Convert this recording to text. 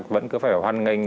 vẫn cứ phải hoan nghênh